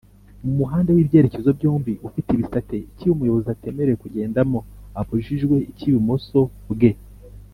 mumuhanda wibyerekezo byombi ufite ibisate ikihe umuyobozi atemerewe kugendamo? abujijwe icy’ibumoso bwe